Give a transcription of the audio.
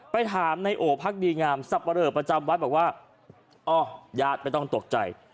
ไปถามในโอพักดีงามสับปะเรอประจำวัดบอกว่าอ๋อญาติไม่ต้องตกใจ